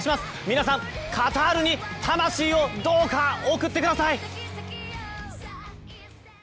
皆さん、カタールに魂をどうか送ってください！